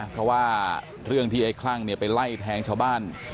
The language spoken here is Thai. เพราะว่าเรื่องที่ไอ้คลั่งไปไล่แทงชาวบ้าน